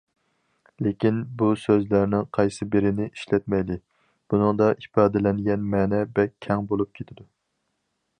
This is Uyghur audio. لېكىن بۇ سۆزلەرنىڭ قايسىبىرىنى ئىشلەتمەيلى، بۇنىڭدا ئىپادىلەنگەن مەنە بەك كەڭ بولۇپ كېتىدۇ.